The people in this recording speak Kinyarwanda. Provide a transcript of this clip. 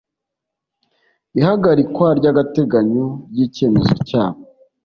ihagarikwa ry agateganyo ry icyemezo cyabo